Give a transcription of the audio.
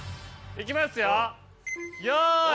いきますよほら！